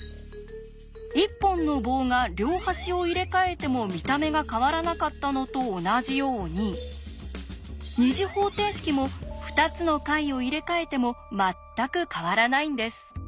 一本の棒が両端を入れ替えても見た目が変わらなかったのと同じように２次方程式も２つの解を入れ替えても全く変わらないんです。